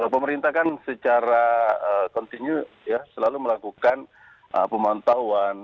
pemerintah kan secara kontinu ya selalu melakukan pemantauan